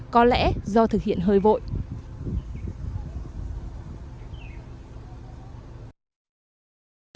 có lẽ đường đất này là đường đất bình thường nhưng nhìn kỹ bê tông vẫn bị lộ ra